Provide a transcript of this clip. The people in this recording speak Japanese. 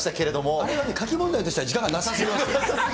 あれは書き問題としては時間がなさすぎます。